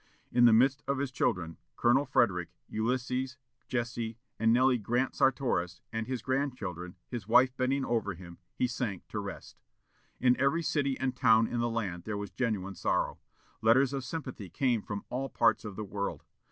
In the midst of his children, Colonel Frederick, Ulysses, Jesse, and Nellie Grant Sartoris, and his grandchildren, his wife bending over him, he sank to rest. In every city and town in the land there was genuine sorrow. Letters of sympathy came from all parts of the world.